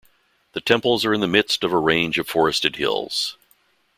The temples are in the midst of a range of forested hills.